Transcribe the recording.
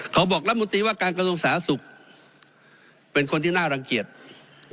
เขาบอกรัฐมนตรีว่าการกระทรวงสาธารณสุขเป็นคนที่น่ารังเกียจ